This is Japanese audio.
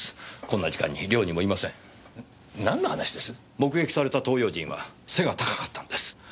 目撃された東洋人は背が高かったんです。